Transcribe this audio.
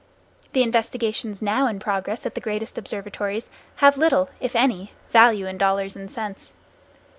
The investigations now in progress at the greatest observatories have little, if any, value in dollars and cents.